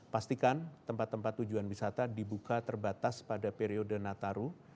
pastikan tempat tempat tujuan wisata dibuka terbatas pada periode nataru